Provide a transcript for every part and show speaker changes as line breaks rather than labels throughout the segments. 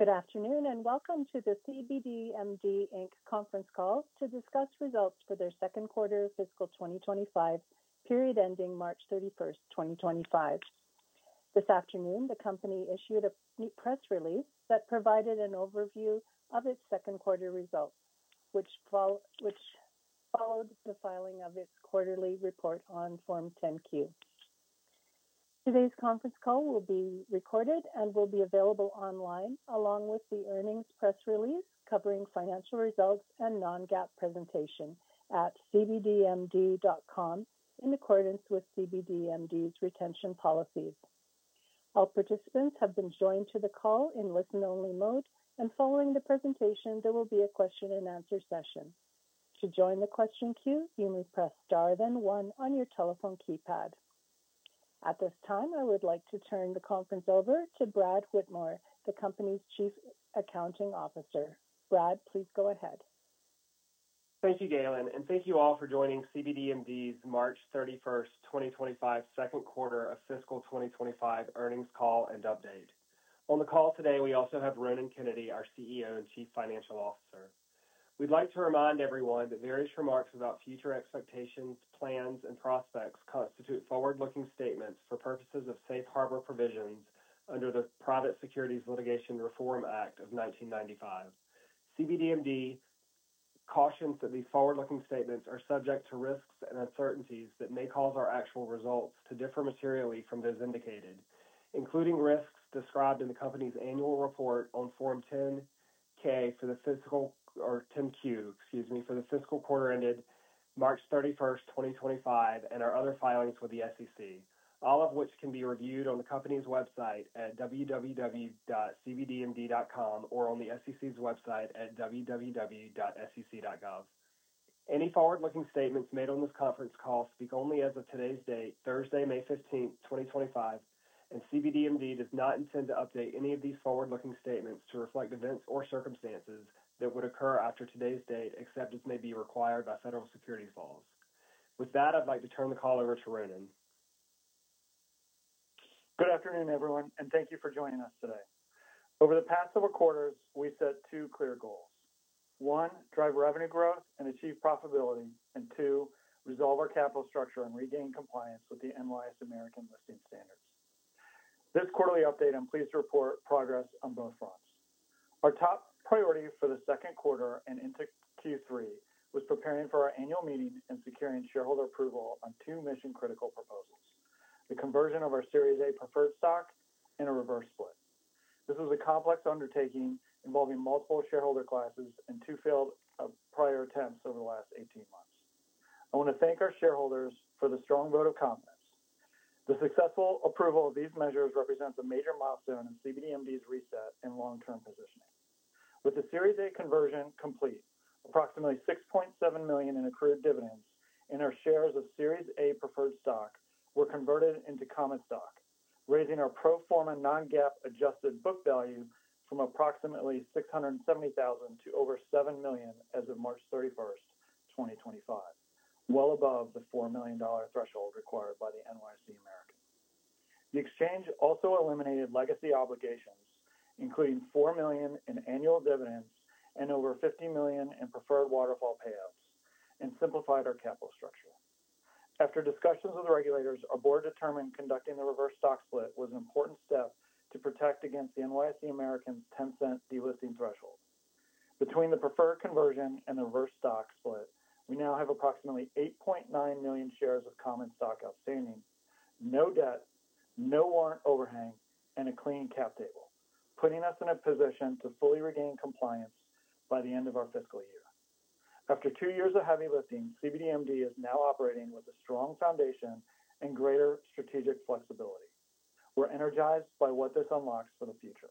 Good afternoon and welcome to the cbdMD conference call to discuss results for their second quarter of fiscal 2025, period ending March 31, 2025. This afternoon, the company issued a press release that provided an overview of its second quarter results, which followed the filing of its quarterly report on Form 10-Q. Today's conference call will be recorded and will be available online along with the earnings press release covering financial results and non-GAAP presentation at cbdmd.com in accordance with cbdMD's retention policies. All participants have been joined to the call in listen-only mode, and following the presentation, there will be a question-and-answer session. To join the question queue, you may press star then 1 on your telephone keypad. At this time, I would like to turn the conference over to Brad Whitmore, the company's Chief Accounting Officer. Brad, please go ahead.
Thank you, Gaylinn, and thank you all for joining cbdMD's March 31, 2025, second quarter of fiscal 2025 earnings call and update. On the call today, we also have Ronan Kennedy, our CEO and Chief Financial Officer. We'd like to remind everyone that various remarks about future expectations, plans, and prospects constitute forward-looking statements for purposes of safe harbor provisions under the Private Securities Litigation Reform Act of 1995. cbdMD cautions that these forward-looking statements are subject to risks and uncertainties that may cause our actual results to differ materially from those indicated, including risks described in the company's annual report on Form 10-K for the fiscal or 10-Q, excuse me, for the fiscal quarter ended March 31, 2025, and our other filings with the SEC, all of which can be reviewed on the company's website at www.cbdmd.com or on the SEC's website at www.sec.gov. Any forward-looking statements made on this conference call speak only as of today's date, Thursday, May 15th, 2025, and cbdMD does not intend to update any of these forward-looking statements to reflect events or circumstances that would occur after today's date except as may be required by federal securities laws. With that, I'd like to turn the call over to Ronan.
Good afternoon, everyone, and thank you for joining us today. Over the past several quarters, we set two clear goals. One, drive revenue growth and achieve profitability, and two, resolve our capital structure and regain compliance with the NYSE American Listing Standards. This quarterly update, I'm pleased to report progress on both fronts. Our top priority for the second quarter and into Q3 was preparing for our annual meeting and securing shareholder approval on two mission-critical proposals: the conversion of our Series A preferred stock and a reverse split. This was a complex undertaking involving multiple shareholder classes and two failed prior attempts over the last 18 months. I want to thank our shareholders for the strong vote of confidence. The successful approval of these measures represents a major milestone in cbdMD's reset and long-term positioning. With the Series A conversion complete, approximately $6.7 million in accrued dividends and our shares of Series A preferred stock were converted into common stock, raising our pro forma non-GAAP adjusted book value from approximately $670,000 to over $7 million as of March 31, 2025, well above the $4 million threshold required by the NYSE American. The exchange also eliminated legacy obligations, including $4 million in annual dividends and over $50 million in preferred waterfall payouts, and simplified our capital structure. After discussions with the regulators, our board determined conducting the reverse stock split was an important step to protect against the NYSE American's 10-cent delisting threshold. Between the preferred conversion and the reverse stock split, we now have approximately 8.9 million shares of common stock outstanding, no debt, no warrant overhang, and a clean cap table, putting us in a position to fully regain compliance by the end of our fiscal year. After two years of heavy lifting, cbdMD is now operating with a strong foundation and greater strategic flexibility. We're energized by what this unlocks for the future.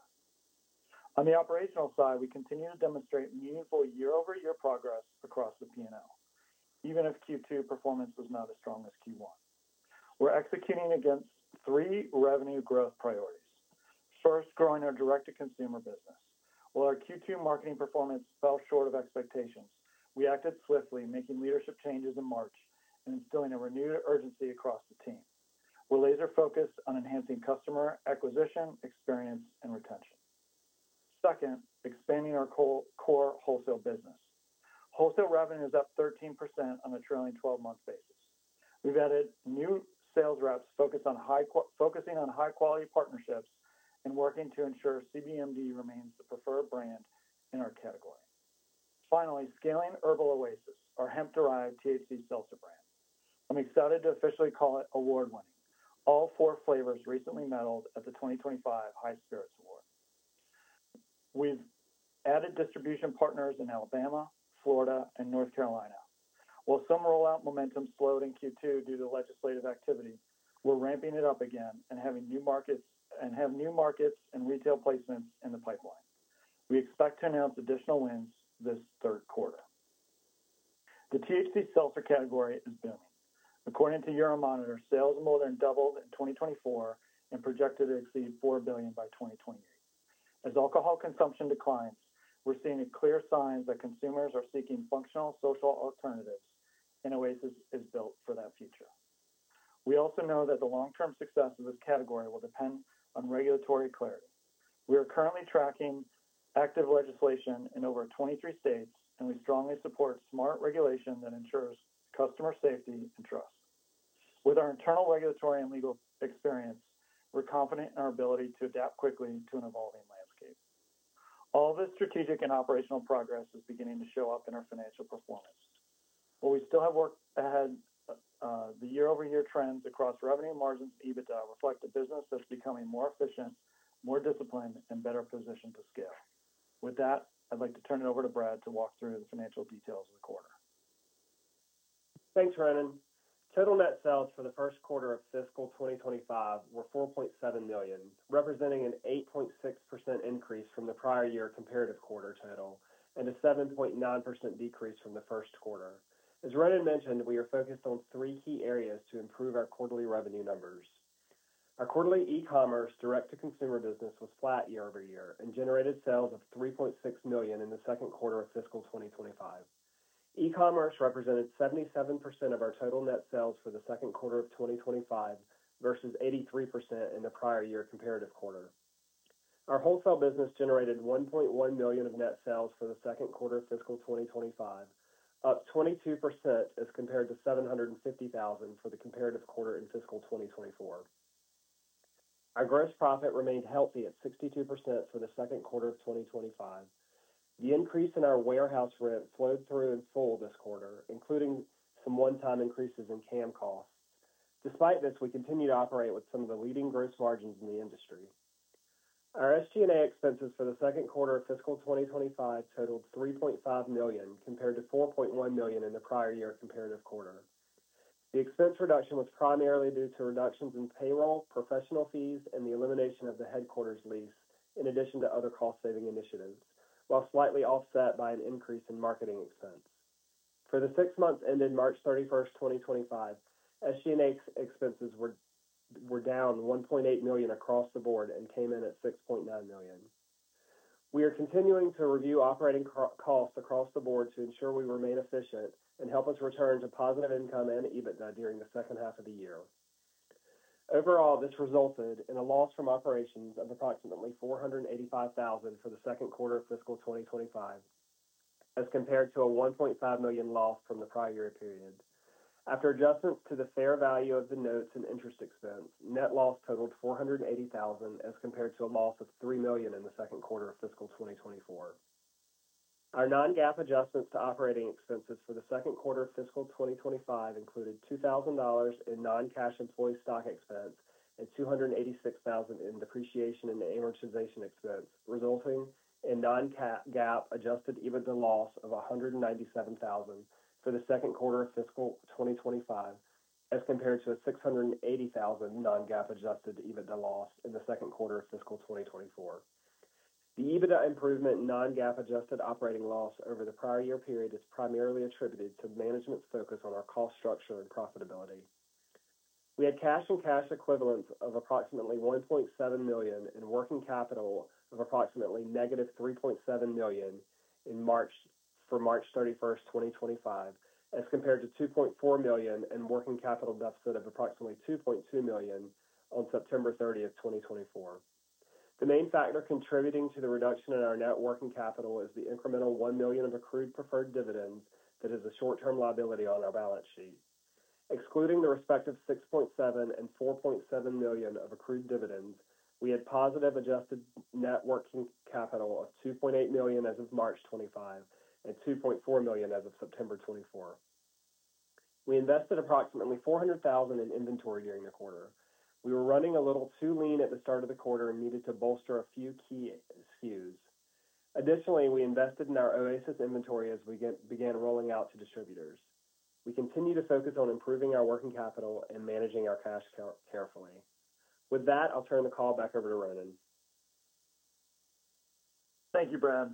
On the operational side, we continue to demonstrate meaningful year-over-year progress across the P&L, even if Q2 performance was not as strong as Q1. We're executing against three revenue growth priorities. First, growing our direct-to-consumer business. While our Q2 marketing performance fell short of expectations, we acted swiftly, making leadership changes in March and instilling a renewed urgency across the team. We're laser-focused on enhancing customer acquisition, experience and retention. Second, expanding our core wholesale business. Wholesale revenue is up 13% on a trailing 12-month basis. We've added new sales reps focusing on high-quality partnerships and working to ensure cbdMD remains the preferred brand in our category. Finally, scaling Herbal Oasis, our hemp-derived THC seltzer brand. I'm excited to officially call it award-winning. All four flavors recently medaled at the 2025 High Spirits Award. We've added distribution partners in Alabama, Florida, and North Carolina. While some rollout momentum slowed in Q2 due to legislative activity, we're ramping it up again and have new markets and retail placements in the pipeline. We expect to announce additional wins this third quarter. The THC seltzer category is booming. According to Euromonitor, sales in Northern doubled in 2024 and projected to exceed $4 billion by 2028. As alcohol consumption declines, we're seeing clear signs that consumers are seeking functional social alternatives, and Oasis is built for that future. We also know that the long-term success of this category will depend on regulatory clarity. We are currently tracking active legislation in over 23 states, and we strongly support smart regulation that ensures customer safety and trust. With our internal regulatory and legal experience, we're confident in our ability to adapt quickly to an evolving landscape. All this strategic and operational progress is beginning to show up in our financial performance. While we still have work ahead, the year-over-year trends across revenue margins and EBITDA reflect a business that's becoming more efficient, more disciplined, and better positioned to scale. With that, I'd like to turn it over to Brad to walk through the financial details of the quarter.
Thanks, Ronan. Total net sales for the first quarter of fiscal 2025 were $4.7 million, representing an 8.6% increase from the prior year comparative quarter total and a 7.9% decrease from the first quarter. As Ronan mentioned, we are focused on three key areas to improve our quarterly revenue numbers. Our quarterly e-commerce direct-to-consumer business was flat year-over-year and generated sales of $3.6 million in the second quarter of fiscal 2025. E-commerce represented 77% of our total net sales for the second quarter of 2025 versus 83% in the prior year comparative quarter. Our wholesale business generated $1.1 million of net sales for the second quarter of fiscal 2025, up 22% as compared to $750,000 for the comparative quarter in fiscal 2024. Our gross profit remained healthy at 62% for the second quarter of 2025. The increase in our warehouse rent flowed through in full this quarter, including some one-time increases in cam costs. Despite this, we continue to operate with some of the leading gross margins in the industry. Our SG&A expenses for the second quarter of fiscal 2025 totaled $3.5 million compared to $4.1 million in the prior year comparative quarter. The expense reduction was primarily due to reductions in payroll, professional fees, and the elimination of the headquarters lease, in addition to other cost-saving initiatives, while slightly offset by an increase in marketing expense. For the six months ended March 31, 2025, SG&A expenses were down $1.8 million across the board and came in at $6.9 million. We are continuing to review operating costs across the board to ensure we remain efficient and help us return to positive income and EBITDA during the second half of the year. Overall, this resulted in a loss from operations of approximately $485,000 for the second quarter of fiscal 2025, as compared to a $1.5 million loss from the prior year period. After adjustments to the fair value of the notes and interest expense, net loss totaled $480,000 as compared to a loss of $3 million in the second quarter of fiscal 2024. Our non-GAAP adjustments to operating expenses for the second quarter of fiscal 2025 included $2,000 in non-cash employee stock expense and $286,000 in depreciation and amortization expense, resulting in non-GAAP adjusted EBITDA loss of $197,000 for the second quarter of fiscal 2025, as compared to a $680,000 non-GAAP adjusted EBITDA loss in the second quarter of fiscal 2024. The EBITDA improvement in non-GAAP adjusted operating loss over the prior year period is primarily attributed to management's focus on our cost structure and profitability. We had cash and cash equivalents of approximately $1.7 million in working capital of approximately negative $3.7 million for March 31, 2025, as compared to $2.4 million in working capital deficit of approximately $2.2 million on September 30, 2024. The main factor contributing to the reduction in our net working capital is the incremental $1 million of accrued preferred dividends that is a short-term liability on our balance sheet. Excluding the respective $6.7 million and $4.7 million of accrued dividends, we had positive adjusted net working capital of $2.8 million as of March 25 and $2.4 million as of September 24. We invested approximately $400,000 in inventory during the quarter. We were running a little too lean at the start of the quarter and needed to bolster a few key SKUs. Additionally, we invested in our Oasis inventory as we began rolling out to distributors. We continue to focus on improving our working capital and managing our cash carefully. With that, I'll turn the call back over to Ronan.
Thank you, Brad.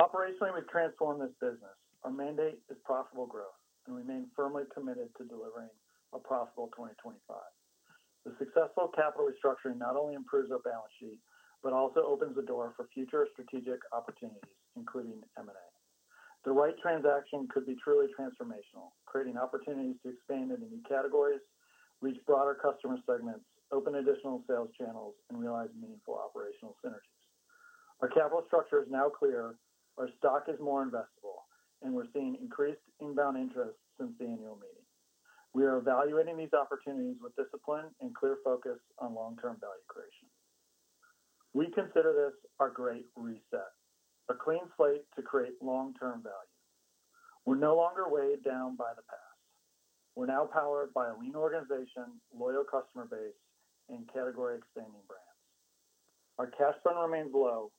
Operationally, we've transformed this business. Our mandate is profitable growth, and we remain firmly committed to delivering a profitable 2025. The successful capital restructuring not only improves our balance sheet, but also opens the door for future strategic opportunities, including M&A. The right transaction could be truly transformational, creating opportunities to expand into new categories, reach broader customer segments, open additional sales channels, and realize meaningful operational synergies. Our capital structure is now clear, our stock is more investable, and we're seeing increased inbound interest since the annual meeting. We are evaluating these opportunities with discipline and clear focus on long-term value creation. We consider this our great reset, a clean slate to create long-term value. We're no longer weighed down by the past. We're now powered by a lean organization, loyal customer base, and category-expanding brands. Our cash burn remains low.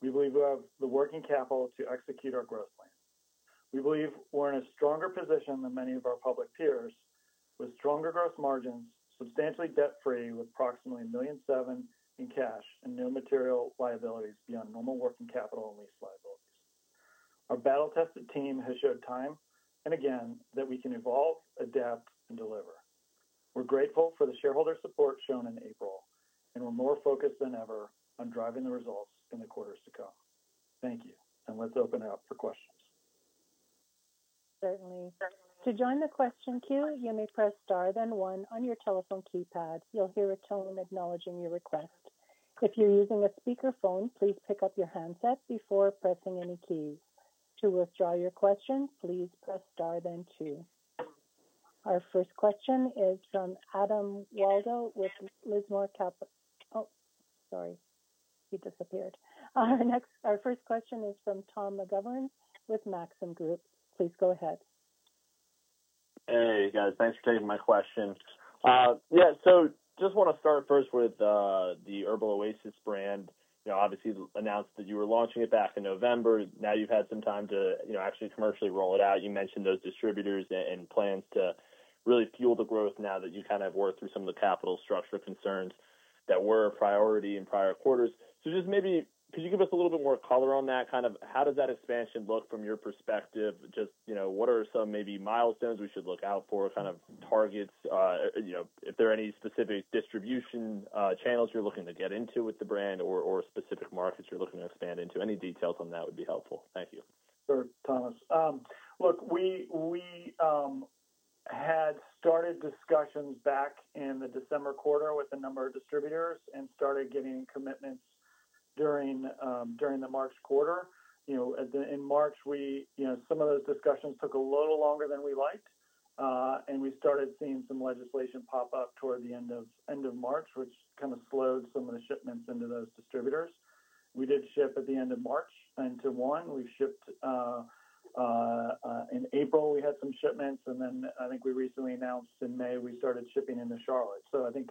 We believe we have the working capital to execute our growth plan. We believe we're in a stronger position than many of our public peers, with stronger gross margins, substantially debt-free, with approximately $1.7 million in cash and no material liabilities beyond normal working capital and lease liabilities. Our battle-tested team has showed time and again that we can evolve, adapt, and deliver. We're grateful for the shareholder support shown in April, and we're more focused than ever on driving the results in the quarters to come. Thank you, and let's open it up for questions.
Certainly. To join the question queue, you may press star then 1 on your telephone keypad. You'll hear a tone acknowledging your request. If you're using a speakerphone, please pick up your handset before pressing any keys. To withdraw your question, please press star then 2. Our first question is from Adam Waldo with Lismore Partners. Oh, sorry. He disappeared. Our first question is from Tom McGovern with Maxim Group. Please go ahead.
Hey, guys. Thanks for taking my question. Yeah, so just want to start first with the Herbal Oasis brand. Obviously, you announced that you were launching it back in November. Now you've had some time to actually commercially roll it out. You mentioned those distributors and plans to really fuel the growth now that you kind of worked through some of the capital structure concerns that were a priority in prior quarters. So just maybe, could you give us a little bit more color on that? Kind of how does that expansion look from your perspective? Just what are some maybe milestones we should look out for, kind of targets? If there are any specific distribution channels you're looking to get into with the brand or specific markets you're looking to expand into, any details on that would be helpful. Thank you.
Sure, Thomas. Look, we had started discussions back in the December quarter with a number of distributors and started getting commitments during the March quarter. In March, some of those discussions took a little longer than we liked, and we started seeing some legislation pop up toward the end of March, which kind of slowed some of the shipments into those distributors. We did ship at the end of March into one. We've shipped in April. We had some shipments, and then I think we recently announced in May we started shipping into Charlotte. I think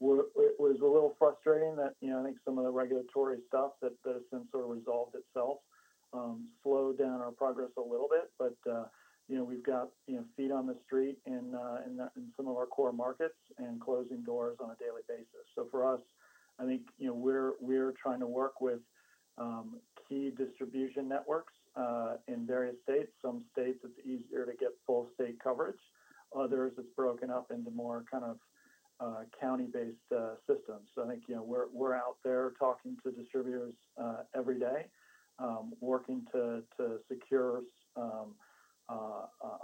it was a little frustrating that I think some of the regulatory stuff that has since sort of resolved itself slowed down our progress a little bit, but we've got feet on the street in some of our core markets and closing doors on a daily basis. For us, I think we're trying to work with key distribution networks in various states. Some states, it's easier to get full state coverage. Others, it's broken up into more kind of county-based systems. I think we're out there talking to distributors every day, working to secure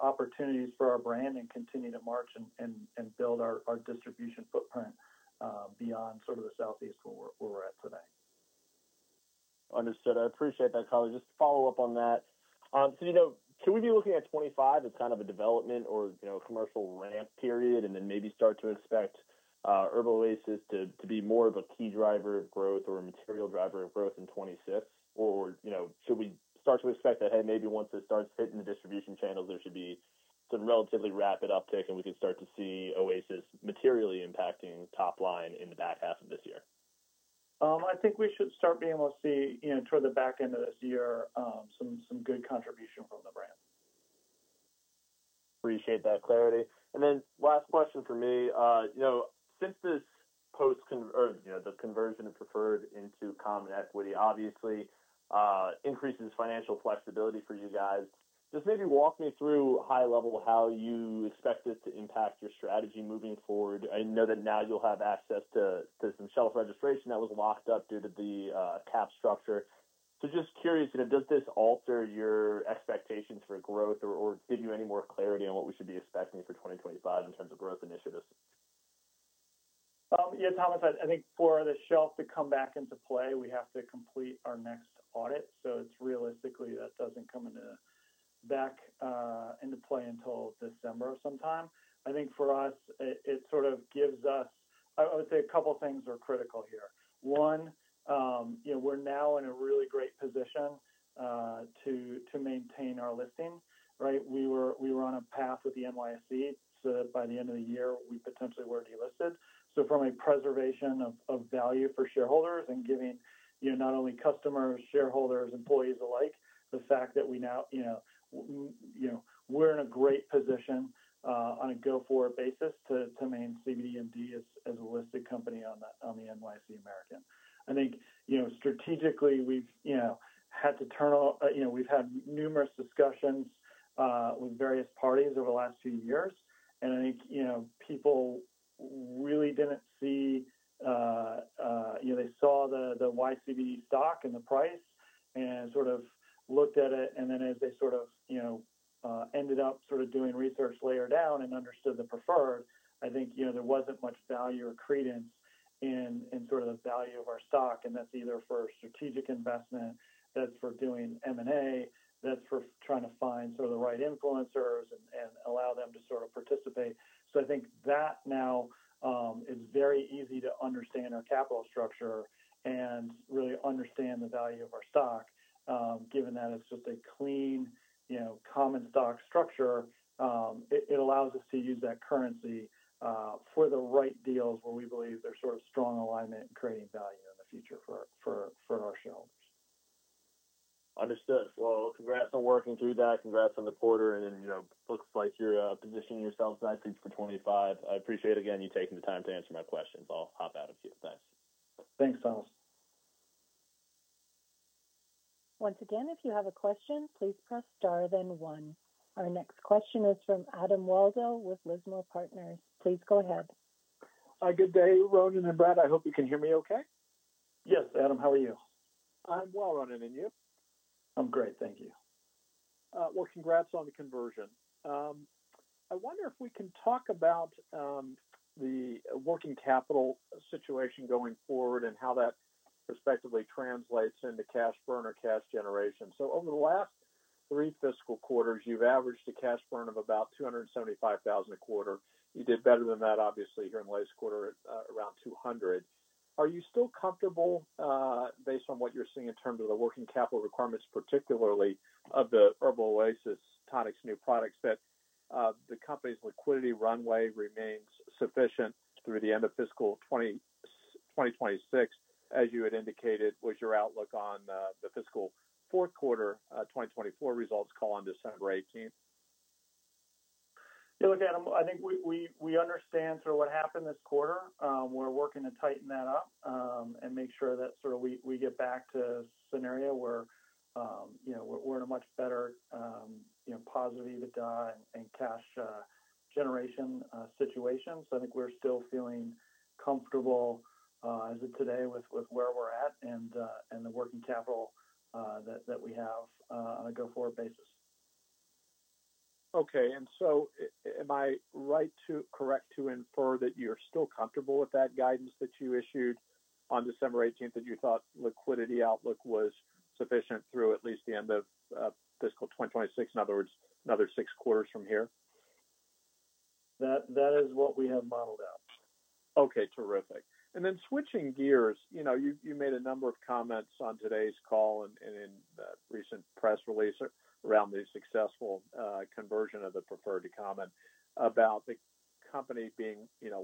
opportunities for our brand and continue to march and build our distribution footprint beyond sort of the southeast where we're at today.
Understood. I appreciate that color. Just to follow up on that, can we be looking at 2025 as kind of a development or commercial ramp period and then maybe start to expect Herbal Oasis to be more of a key driver of growth or a material driver of growth in 2026? Or should we start to expect that, hey, maybe once it starts hitting the distribution channels, there should be some relatively rapid uptick and we could start to see Oasis materially impacting top line in the back half of this year?
I think we should start being able to see toward the back end of this year some good contribution from the brand.
Appreciate that clarity. Last question for me. Since this post or the conversion of preferred into common equity obviously increases financial flexibility for you guys, just maybe walk me through high level how you expect this to impact your strategy moving forward. I know that now you'll have access to some shelf registration that was locked up due to the cap structure. Just curious, does this alter your expectations for growth or give you any more clarity on what we should be expecting for 2025 in terms of growth initiatives?
Yeah, Thomas, I think for the shelf to come back into play, we have to complete our next audit. Realistically, that does not come back into play until December of some time. I think for us, it sort of gives us, I would say a couple of things are critical here. One, we are now in a really great position to maintain our listing, right? We were on a path with the NYSE so that by the end of the year, we potentially were delisted. From a preservation of value for shareholders and giving not only customers, shareholders, employees alike the fact that we now are in a great position on a go-forward basis to maintain cbdMD as a listed company on the NYSE American. I think strategically, we have had to turn on, we have had numerous discussions with various parties over the last few years. I think people really did not see, they saw the YCBD stock and the price and sort of looked at it. Then as they sort of ended up doing research later down and understood the preferred, I think there was not much value or credence in sort of the value of our stock. That is either for strategic investment, that is for doing M&A, that is for trying to find sort of the right influencers and allow them to sort of participate. I think that now it is very easy to understand our capital structure and really understand the value of our stock. Given that it is just a clean common stock structure, it allows us to use that currency for the right deals where we believe there is sort of strong alignment and creating value in the future for our shareholders.
Understood. Congrats on working through that. Congrats on the quarter. It looks like you're positioning yourself nicely for 2025. I appreciate again you taking the time to answer my questions. I'll hop out of here. Thanks.
Thanks, Thomas.
Once again, if you have a question, please press star then 1. Our next question is from Adam Waldo with Lismore Partners. Please go ahead.
Hi, good day, Ronan and Brad. I hope you can hear me okay.
Yes, Adam, how are you?
I'm well, Ronan. And you?
I'm great. Thank you.
Congrats on the conversion. I wonder if we can talk about the working capital situation going forward and how that respectively translates into cash burn or cash generation. Over the last three fiscal quarters, you've averaged a cash burn of about $275,000 a quarter. You did better than that, obviously, here in the last quarter at around $200,000. Are you still comfortable, based on what you're seeing in terms of the working capital requirements, particularly of the Herbal Oasis new products, that the company's liquidity runway remains sufficient through the end of fiscal 2026, as you had indicated was your outlook on the fiscal fourth quarter 2024 results call on December 18?
Yeah, look, Adam, I think we understand sort of what happened this quarter. We're working to tighten that up and make sure that sort of we get back to a scenario where we're in a much better positive EBITDA and cash generation situation. I think we're still feeling comfortable as of today with where we're at and the working capital that we have on a go-forward basis.
Okay. Am I right to infer that you're still comfortable with that guidance that you issued on December 18 that you thought liquidity outlook was sufficient through at least the end of fiscal 2026, in other words, another six quarters from here?
That is what we have modeled out.
Okay, terrific. Then switching gears, you made a number of comments on today's call and in the recent press release around the successful conversion of the preferred to common about the company being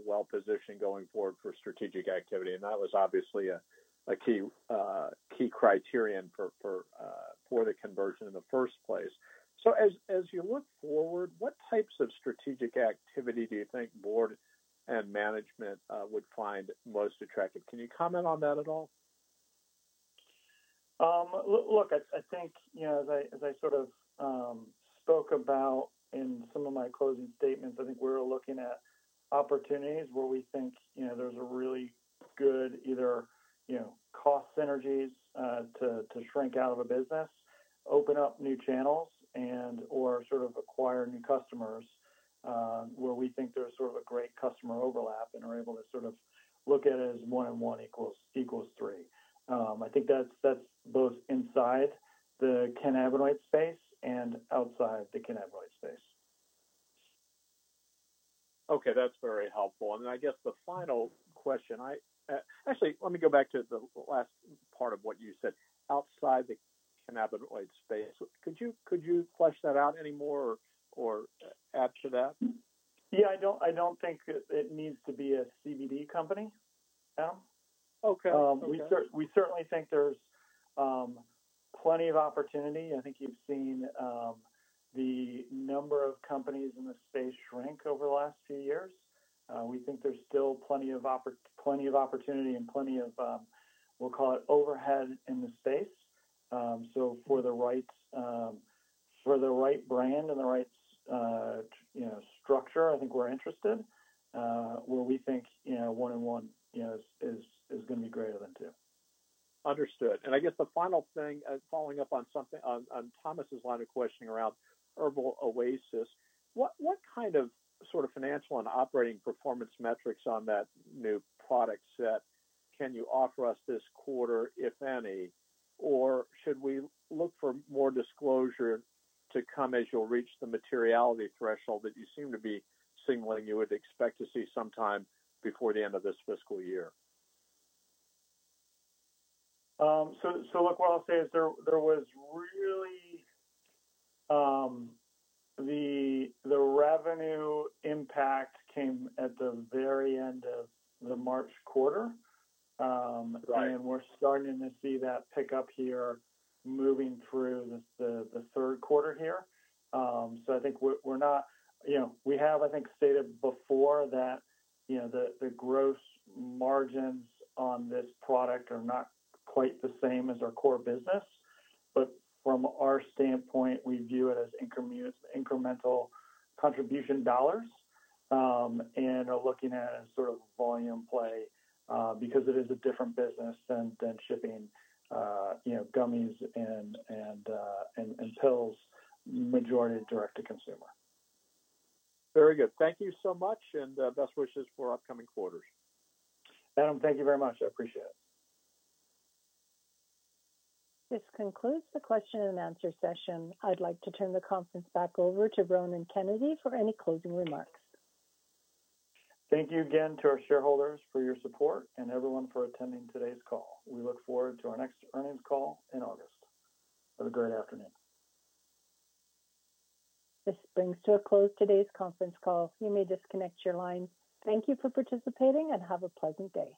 well-positioned going forward for strategic activity. That was obviously a key criterion for the conversion in the first place. As you look forward, what types of strategic activity do you think board and management would find most attractive? Can you comment on that at all?
Look, I think as I sort of spoke about in some of my closing statements, I think we're looking at opportunities where we think there's a really good either cost synergies to shrink out of a business, open up new channels, and/or sort of acquire new customers where we think there's sort of a great customer overlap and are able to sort of look at it as one and one equals three. I think that's both inside the cannabinoid space and outside the cannabinoid space.
Okay, that's very helpful. I guess the final question. Actually, let me go back to the last part of what you said. Outside the cannabinoid space, could you flesh that out any more or add to that?
Yeah, I don't think it needs to be a CBD company, Adam. We certainly think there's plenty of opportunity. I think you've seen the number of companies in the space shrink over the last few years. We think there's still plenty of opportunity and plenty of, we'll call it overhead in the space. For the right brand and the right structure, I think we're interested where we think one and one is going to be greater than two.
Understood. I guess the final thing, following up on Thomas's line of questioning around Herbal Oasis, what kind of sort of financial and operating performance metrics on that new product set can you offer us this quarter, if any? Should we look for more disclosure to come as you reach the materiality threshold that you seem to be signaling you would expect to see sometime before the end of this fiscal year?
Look, what I'll say is there was really the revenue impact came at the very end of the March quarter. We're starting to see that pick up here moving through the third quarter here. I think we're not, we have, I think, stated before that the gross margins on this product are not quite the same as our core business. From our standpoint, we view it as incremental contribution dollars and are looking at a sort of volume play because it is a different business than shipping gummies and pills, majority direct-to-consumer.
Very good. Thank you so much and best wishes for upcoming quarters.
Adam, thank you very much. I appreciate it.
This concludes the question and answer session. I'd like to turn the conference back over to Ronan Kennedy for any closing remarks.
Thank you again to our shareholders for your support and everyone for attending today's call. We look forward to our next earnings call in August. Have a great afternoon.
This brings to a close today's conference call. You may disconnect your lines. Thank you for participating and have a pleasant day.